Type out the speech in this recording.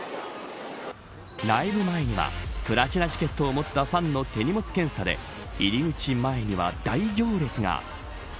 ライブ前にはプラチナチケットを持ったファンの手荷物検査で入口前には大行列が。